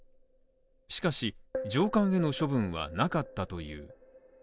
しかし、上官への処分はなかったという。